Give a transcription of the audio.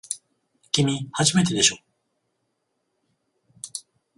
きみ、初めてでしょ。